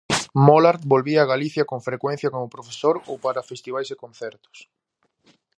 Molard volvía a Galicia con frecuencia como profesor ou para festivais e concertos.